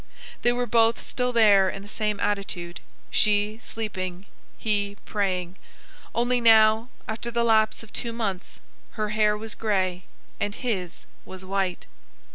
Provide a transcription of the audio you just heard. They were both still there in the same attitude—she sleeping, he praying; only now, after the lapse of two months, her hair was gray and his was white.